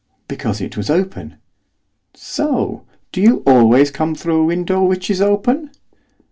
'Because it was open.' 'So! Do you always come through a window which is open?